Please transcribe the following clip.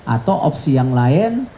atau opsi yang lain